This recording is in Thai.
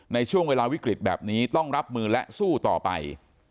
ในช่วงเวลาวิกฤตแบบนี้ต้องรับมือและสู้ต่อไป